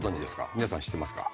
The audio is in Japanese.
皆さん知ってますか？